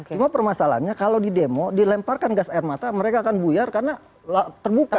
cuma permasalahannya kalau di demo dilemparkan gas air mata mereka akan buyar karena terbuka